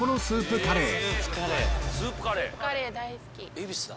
恵比寿だ。